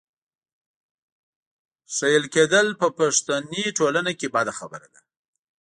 ښېل کېدل په پښتني ټولنه کې بده خبره ده.